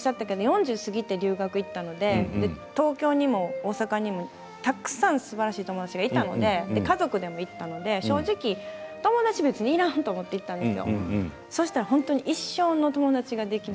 さっきおっしゃったけど４０過ぎて留学したので東京にも大阪にもたくさんすばらしいお友達がいたので家族もいたので正直お友達はいらんと思って行ったんです。